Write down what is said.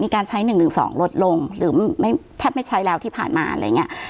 การใช้๑๑๒ลดลงหรือไม่แทบไม่ใช้แล้วที่ผ่านมาอะไรอย่างนี้